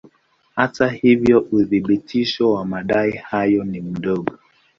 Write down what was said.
Hata hivyo uthibitisho wa madai hayo ni mdogo.